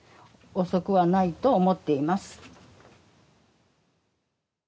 遅くはないと思っています」。